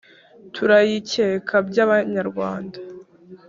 turayikeka by’abanyarwanda